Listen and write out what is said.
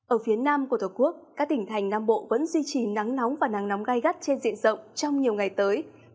ở phía nam của thổ quốc các tỉnh thành nam bộ vẫn duy trì nắng nóng và nắng nóng gai gắt trên diện rộng trong nhiều ngày tới